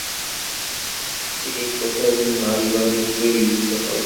তিনি প্রথম নারীবাদী হিসেবে বিবেচিত হন।